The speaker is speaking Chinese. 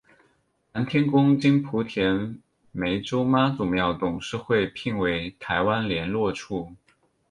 南天宫经莆田湄洲妈祖庙董事会聘为台湾连络处。